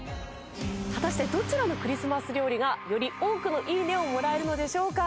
果たしてどちらのクリスマス料理がより多くのいいねをもらえるのでしょうか？